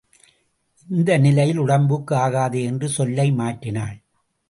இந்த நிலையில் உடம்புக்கு ஆகாதே என்று சொல்லை மாற்றினாள்.